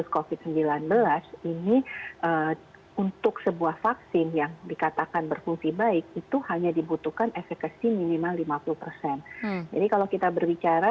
kalau kita berbicara